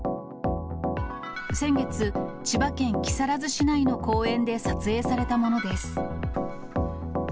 先月、千葉県木更津市内の公園で撮影されたものです。